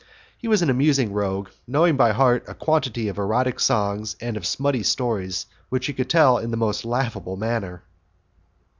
He was an amusing rogue, knowing by heart a quantity of erotic songs and of smutty stories which he could tell in the most laughable manner.